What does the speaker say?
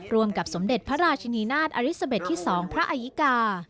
รวมกับสมเด็จพระราชนินาธอาริสเบตที่๒พระอายิกา